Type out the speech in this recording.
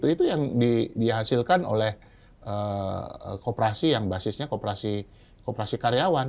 itu yang dihasilkan oleh kooperasi yang basisnya kooperasi karyawan